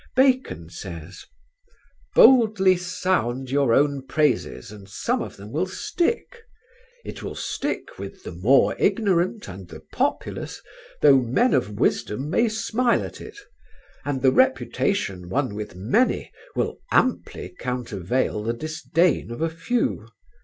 Bacon says: "'Boldly sound your own praises and some of them will stick.'... It will stick with the more ignorant and the populace, though men of wisdom may smile at it; and the reputation won with many will amply countervail the disdain of a few....